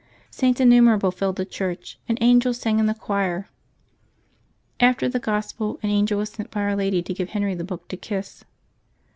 Saints innumerable filled the church, and angels sang in July 16] LIVES OF TEE SAINTS 251 the choir. After the Gospel, an angel was sent by Our Lady to give Henry the book to kiss.